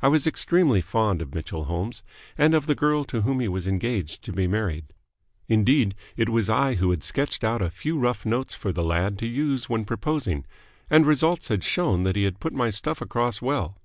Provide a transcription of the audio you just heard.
I was extremely fond of Mitchell Holmes and of the girl to whom he was engaged to be married. Indeed, it was I who had sketched out a few rough notes for the lad to use when proposing; and results had shown that he had put my stuff across well.